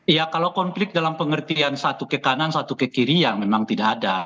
iya kalau konflik dalam pengertian satu ke kanan satu ke kiri ya memang tidak ada